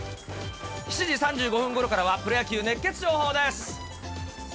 ７時３５分ごろからは、プロ野球熱ケツ情報です。